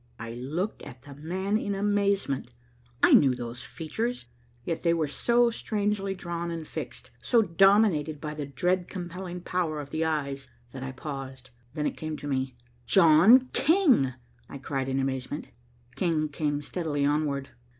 I looked at the man in amazement. I knew those features, yet they were so strangely drawn and fixed, so dominated by the dread compelling power of the eyes that I paused. Then it came to me. "John King," I cried in amazement. King came steadily onward.